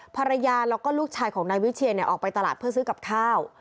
ภรรยาแล้วก็ลูกชายของนายวิเชียนออกไปตลาดเพื่อซื้อกับข้าว